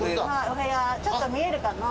お部屋ちょっと見えるかな？